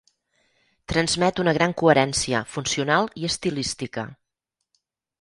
Transmet una gran coherència funcional i estilística.